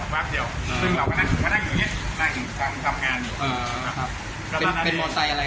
เป็นมอเตยอะไรครับ